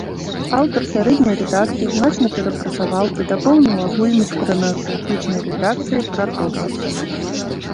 Аўтар сярэдняй рэдакцыі значна перапрацаваў і дапоўніў агульны з хранаграфічнай рэдакцыяй пратограф.